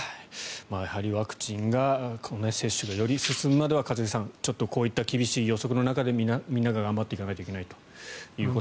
やはりワクチンが接種がより進むまでは一茂さん、ちょっとこういった厳しい予測の中でみんなが頑張っていかなきゃいけないと。